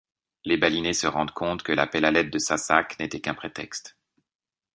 Les Balinais se rendent comptent que l'appel à l'aide des Sasak n'était qu'un prétexte.